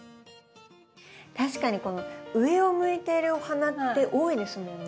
確かにこの上を向いているお花って多いですもんね。